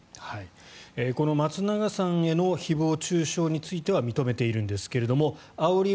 この松永さんへの誹謗・中傷については認めているんですがあおり